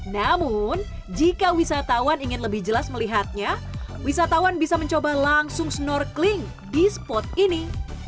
namun jika wisatawan ingin lebih jelas melihatnya wisatawan bisa mencoba langsung snorkeling di spot ini